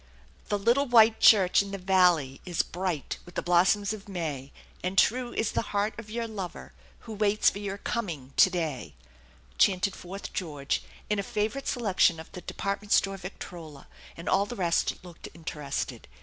"The little white church in the valley Is bright with the blossoms of May, And true is the heart of your lover Who waits for your coming to day! " 6 81 8* THE ENCHANTED BARN chanted forth George in a favorite selection of the department store victrola, and all the rest looked interested.